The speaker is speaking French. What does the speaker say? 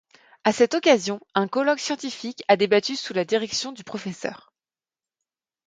À cette occasion, un colloque scientifique a débattu sous la direction du Pr.